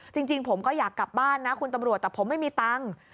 จริงผมก็อยากกลับบ้านนะคุณตำรวจแต่ผมไม่มีตังค์